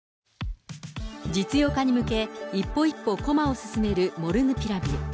実用化に向け、一歩一歩駒を進めるモルヌピラビル。